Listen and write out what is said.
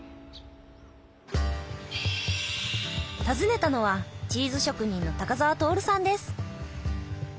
訪ねたのはチーズ職人の高沢徹さんです。